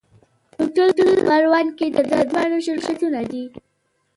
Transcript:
هوټل پروان کې د درملو شرکتونه دي.